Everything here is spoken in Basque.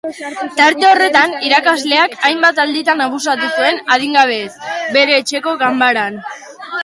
Tarte horretan, irakasleak hainbat alditan abusatu zuen adingabeez, bere etxeko ganbaran.